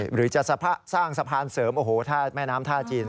หรือจะสร้างสะพานเสริมโอ้โหถ้าแม่น้ำท่าจีน